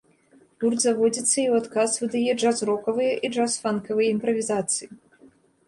Гурт заводзіцца і ў адказ выдае джаз-рокавыя і джаз-фанкавыя імправізацыі.